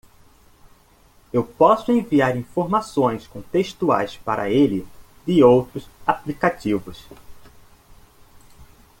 Eu posso enviar informações contextuais para ele de outros aplicativos.